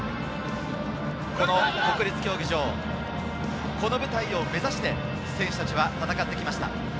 国立競技場、この舞台を目指して、選手たちは戦ってきました。